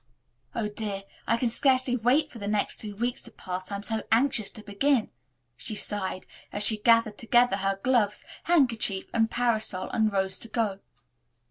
"Oh, dear, I can scarcely wait for the next two weeks to pass I'm so anxious to begin," she sighed, as she gathered together her gloves, handkerchief and parasol and rose to go.